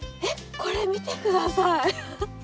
これ見て下さい！